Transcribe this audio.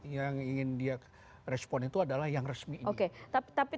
yang ingin dia respon itu adalah yang resmi